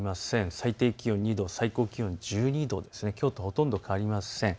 最低気温２度、最高気温１２度できょうとほとんど変わりません。